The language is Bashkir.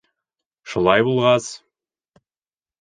Шулай булғас!